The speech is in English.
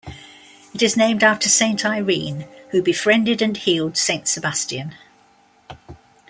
It is named after Saint Irene, who befriended and healed Saint Sebastian.